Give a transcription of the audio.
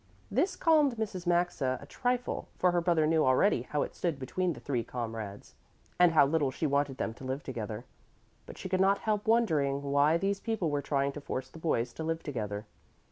This calmed Mrs. Maxa a trifle, for her brother knew already how it stood between the three comrades and how little she wanted them to live together. But she could not help wondering why these people were trying to force the boys to live together.